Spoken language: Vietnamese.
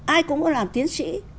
ai cũng có làm tiến sĩ